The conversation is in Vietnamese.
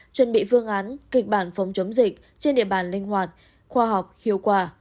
chuẩn bị phương án kịch bản phòng chống dịch trên địa bàn linh hoạt khoa học hiệu quả